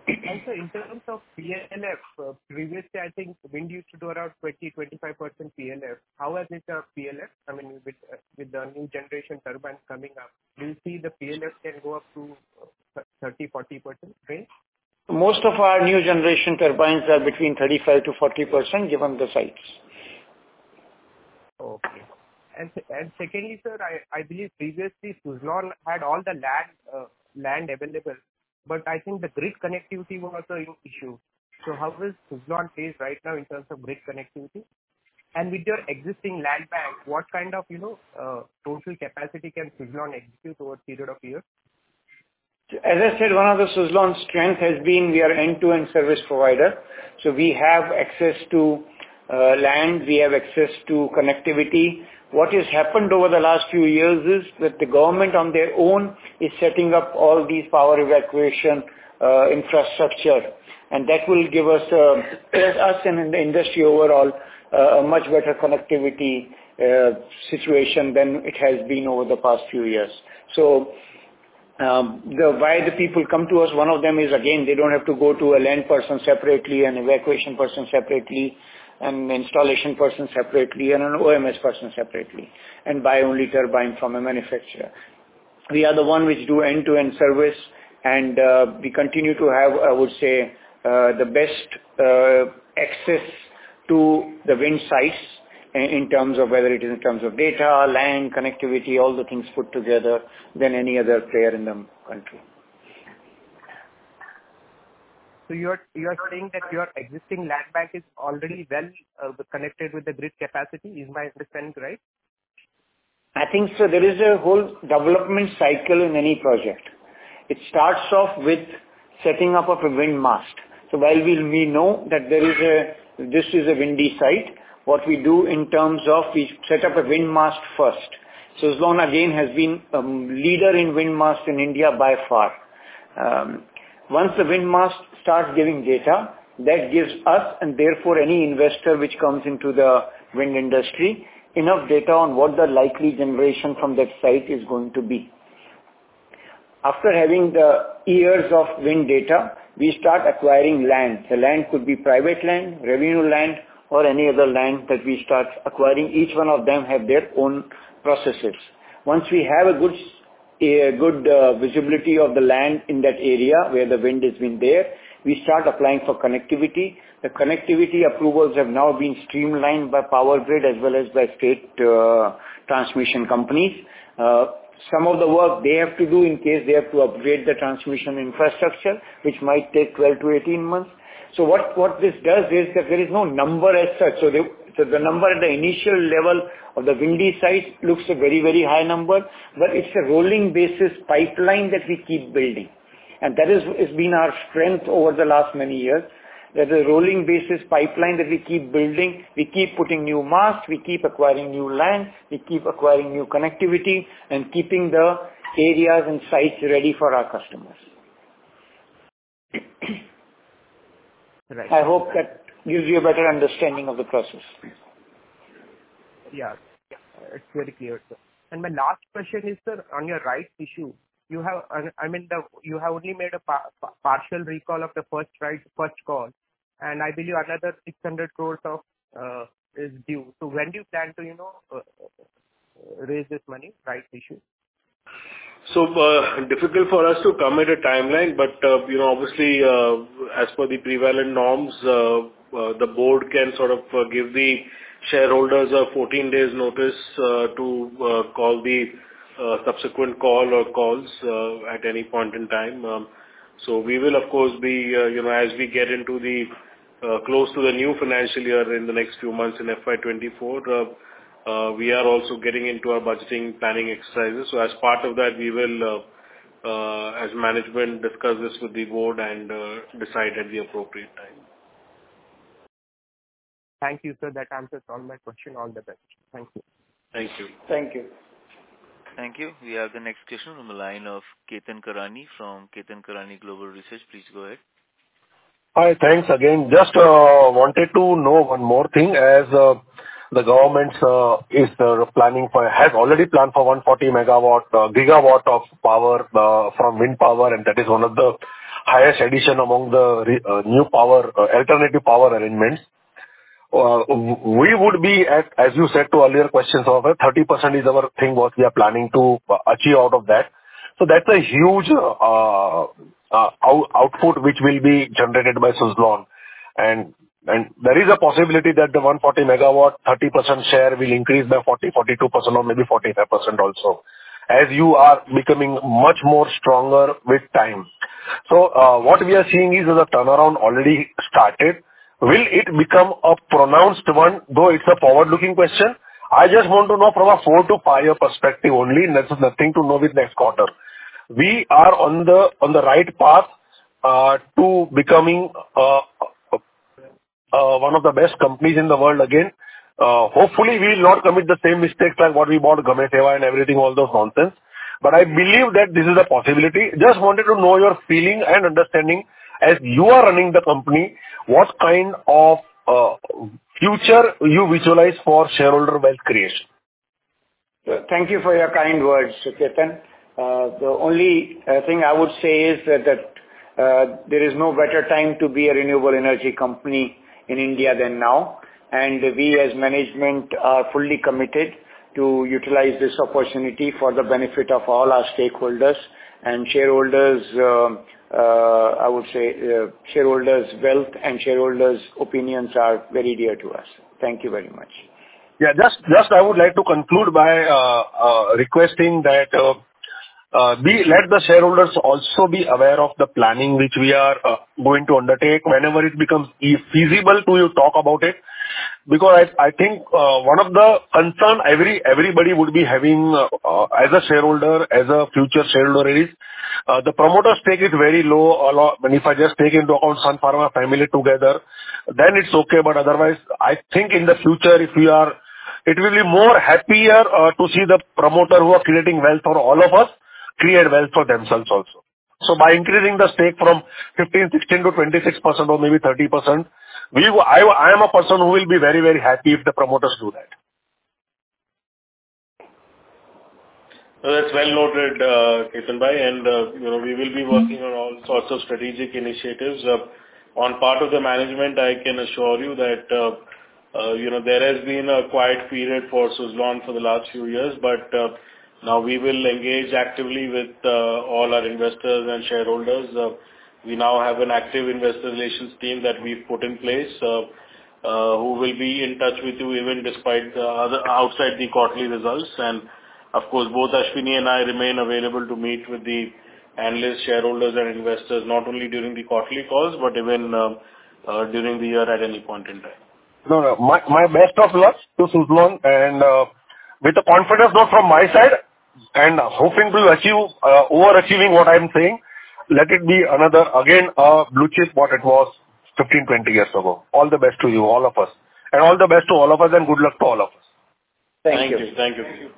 In terms of PLF, previously I think wind used to do around 20, 25% PLF. How has the PLF? I mean, with the new generation turbines coming up, do you see the PLF can go up to 30%-40% range? Most of our new generation turbines are between 35%-40%, given the sites. Okay. Secondly, sir, I believe previously Suzlon had all the land available, but I think the grid connectivity was an issue. How does Suzlon fare right now in terms of grid connectivity? With your existing land bank, what kind of, you know, total capacity can Suzlon execute over a period of years? As I said, one of the Suzlon strength has been we are end-to-end service provider. We have access to land, we have access to connectivity. What has happened over the last few years is that the government on their own is setting up all these power evacuation infrastructure. That will give us us and the industry overall a much better connectivity situation than it has been over the past few years. Why the people come to us, one of them is, again, they don't have to go to a land person separately and evacuation person separately and installation person separately and an O&M person separately and buy only turbine from a manufacturer. We are the one which do end-to-end service and we continue to have, I would say, the best access to the wind sites in terms of data, land, connectivity, all the things put together than any other player in the country. You're saying that your existing land bank is already well connected with the grid capacity, is my understanding right? I think so. There is a whole development cycle in any project. It starts off with setting up of a wind mast. While we know that this is a windy site, what we do in terms of we set up a wind mast first. Suzlon again has been leader in wind masts in India by far. Once the wind mast starts giving data, that gives us and therefore any investor which comes into the wind industry enough data on what the likely generation from that site is going to be. After having the years of wind data, we start acquiring land. The land could be private land, revenue land or any other land that we start acquiring. Each one of them have their own processes. Once we have a good visibility of the land in that area where the wind has been there, we start applying for connectivity. The connectivity approvals have now been streamlined by Power Grid as well as by state transmission companies. Some of the work they have to do in case they have to upgrade the transmission infrastructure, which might take 12-18 months. What this does is that there is no number as such. The number at the initial level of the windy site looks a very, very high number, but it's a rolling basis pipeline that we keep building. That has been our strength over the last many years. There's a rolling basis pipeline that we keep building. We keep putting new masts, we keep acquiring new land, we keep acquiring new connectivity and keeping the areas and sites ready for our customers. Right. I hope that gives you a better understanding of the process. Yeah. It's very clear, sir. My last question is, sir, on your rights issue, you have only made a partial recall of the first right, first call, and I believe another 600 crore is due. When do you plan to, you know, raise this money, rights issue? Difficult for us to commit a timeline, but, you know, obviously, as per the prevalent norms, the board can sort of give the shareholders a 14 days notice, to call the subsequent call or calls, at any point in time. We will of course be, you know, as we get into the close to the new financial year in the next few months in FY 2024, we are also getting into our budgeting planning exercises. As part of that, we will, as management discuss this with the board and, decide at the appropriate time. Thank you, sir. That answers all my question. All the best. Thank you. Thank you. Thank you. Thank you. We have the next question on the line of Ketan Karani from Ketan Karani Global Research. Please go ahead. Hi. Thanks again. Just wanted to know one more thing. As the government has already planned for 140 GW of power from wind power, and that is one of the highest addition among the renewable alternative power arrangements. We would be at, as you said to earlier questions, over 30% is our thing what we are planning to achieve out of that. That's a huge output which will be generated by Suzlon. There is a possibility that the 140 GW, 30% share will increase by 40%, 42% or maybe 45% also, as you are becoming much more stronger with time. What we are seeing is that the turnaround already started. Will it become a pronounced one? Though it's a forward-looking question, I just want to know from a four to five-year perspective only. There's nothing to know with next quarter. We are on the right path to becoming one of the best companies in the world again. Hopefully we will not commit the same mistakes like what we bought Gamesa and everything, all those nonsense. But I believe that this is a possibility. Just wanted to know your feeling and understanding as you are running the company, what kind of future you visualize for shareholder wealth creation. Thank you for your kind words, Ketan. The only thing I would say is that there is no better time to be a renewable energy company in India than now. We as management are fully committed to utilize this opportunity for the benefit of all our stakeholders and shareholders. I would say, shareholders' wealth and shareholders' opinions are very dear to us. Thank you very much. Yeah. Just I would like to conclude by requesting that we let the shareholders also be aware of the planning which we are going to undertake whenever it becomes feasible to talk about it, because I think one of the concern everybody would be having as a shareholder, as a future shareholder is the promoter stake is very low. A lot. If I just take into account Sun Pharma family together, then it's okay. Otherwise, I think in the future, it will be more happier to see the promoter who are creating wealth for all of us create wealth for themselves also. By increasing the stake from 15%-16% to 26% or maybe 30%, I am a person who will be very, very happy if the promoters do that. That's well noted, Ketan bhai. You know, we will be working on all sorts of strategic initiatives. On part of the management, I can assure you that, you know, there has been a quiet period for Suzlon for the last few years. Now we will engage actively with all our investors and shareholders. We now have an active investor relations team that we've put in place, who will be in touch with you even despite the other outside the quarterly results. Of course, both Ashwani and I remain available to meet with the analyst, shareholders and investors, not only during the quarterly calls, but even during the year at any point in time. No, no. My best of luck to Suzlon and with the confidence vote from my side and hoping to achieve overachieving what I'm saying, let it be another again a blue chip what it was 15, 20 years ago. All the best to you, all of us, and all the best to all of us and good luck to all of us. Thank you. Thank you.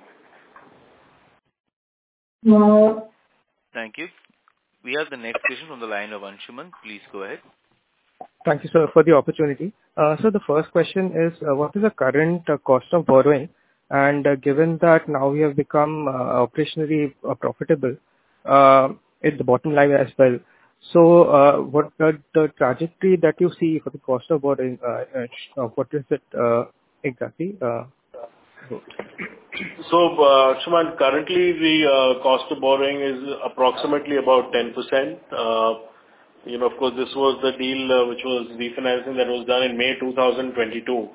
Thank you. Thank you. We have the next question on the line of Anshuman. Please go ahead. Thank you, sir, for the opportunity. The first question is, what is the current cost of borrowing? Given that now we have become operationally profitable, it's the bottom line as well. What are the trajectory that you see for the cost of borrowing? What is it exactly? Anshuman, currently the cost of borrowing is approximately about 10%. You know, of course, this was the deal which was refinancing that was done in May 2022.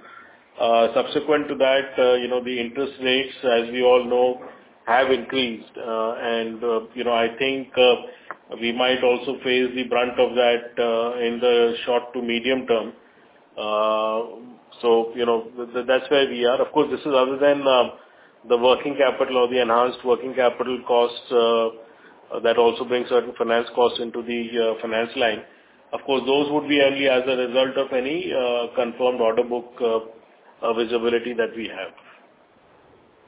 Subsequent to that, you know, the interest rates, as we all know, have increased. You know, I think, we might also face the brunt of that, in the short to medium term. You know, that's where we are. Of course, this is other than the working capital or the enhanced working capital costs, that also brings certain finance costs into the finance line. Of course, those would be only as a result of any confirmed order book visibility that we have.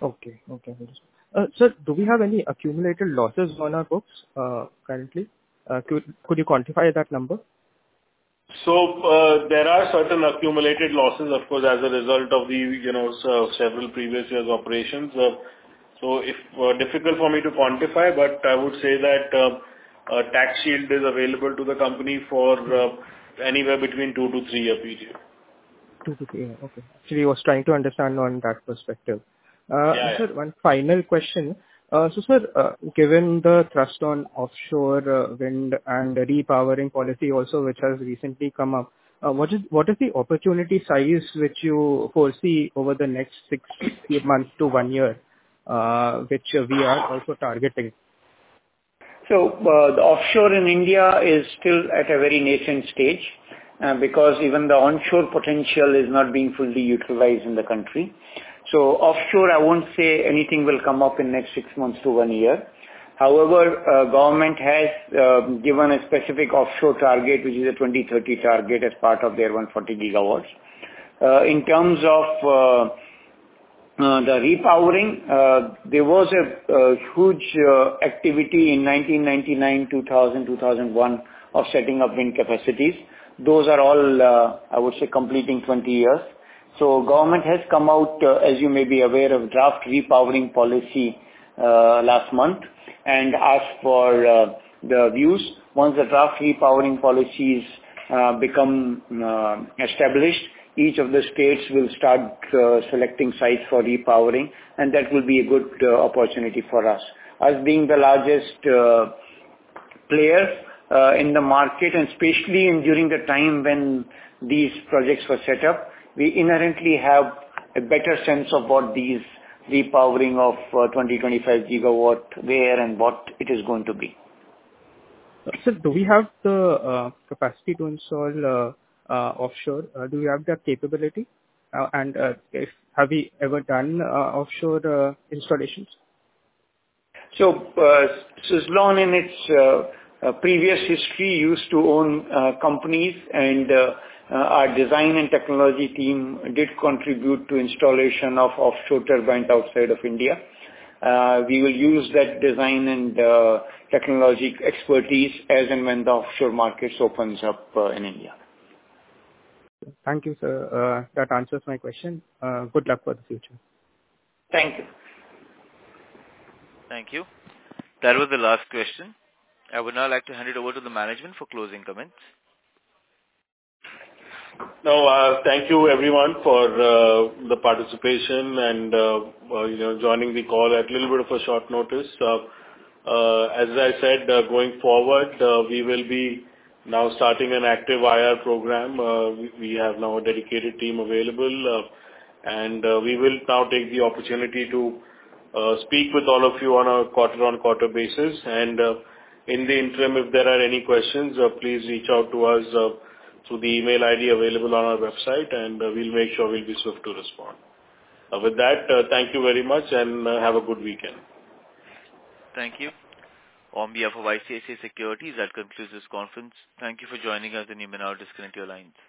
Okay. Understood. Sir, do we have any accumulated losses on our books currently? Could you quantify that number? There are certain accumulated losses, of course, as a result of the, you know, several previous years operations. It's difficult for me to quantify, but I would say that a tax shield is available to the company for anywhere between two to three-year period. Two to three. Okay. Actually I was trying to understand on that perspective. Yeah. Sir, one final question. Sir, given the thrust on offshore wind and repowering policy also, which has recently come up, what is the opportunity size which you foresee over the next six to eight month to one year, which we are also targeting? The offshore in India is still at a very nascent stage, because even the onshore potential is not being fully utilized in the country. Offshore, I won't say anything will come up in next six months to one year. However, government has given a specific offshore target, which is a 2030 target as part of their 140 GW. In terms of the repowering, there was a huge activity in 1999, 2000, 2001 of setting up wind capacities. Those are all, I would say, completing 20 years. Government has come out, as you may be aware, of draft repowering policy last month. Asked for the views. Once the draft repowering policies become established, each of the states will start selecting sites for repowering, and that will be a good opportunity for us. As being the largest player in the market, and especially during the time when these projects were set up, we inherently have a better sense of what these repowering of 20-25 GW where and what it is going to be. Sir, do we have the capacity to install offshore? Do we have that capability? Have we ever done offshore installations? Suzlon in its previous history used to own companies and our design and technology team did contribute to installation of offshore turbine outside of India. We will use that design and technology expertise as and when the offshore markets opens up in India. Thank you, sir. That answers my question. Good luck for the future. Thank you. Thank you. That was the last question. I would now like to hand it over to the management for closing comments. No, thank you everyone for the participation and you know, joining the call at little bit of a short notice. As I said, going forward, we will be now starting an active IR program. We have now a dedicated team available, and we will now take the opportunity to speak with all of you on a quarter-on-quarter basis. In the interim, if there are any questions, please reach out to us through the email ID available on our website, and we'll make sure we'll be swift to respond. With that, thank you very much and have a good weekend. Thank you. On behalf of ICICI Securities, that concludes this conference. Thank you for joining us, and you may now disconnect your lines.